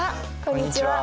こんにちは。